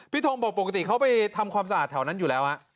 ทงบอกปกติเขาไปทำความสะอาดแถวนั้นอยู่แล้ว